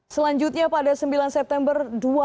selanjutnya pada sembilan september dua ribu empat